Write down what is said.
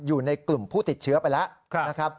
อยู่ในกลุ่มผู้ติดเชื้อไปแล้ว